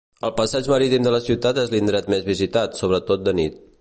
El passeig marítim de la ciutat és l'indret més visitat, sobretot de nit.